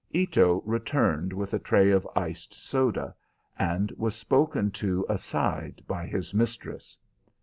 Ito returned with a tray of iced soda, and was spoken to aside by his mistress.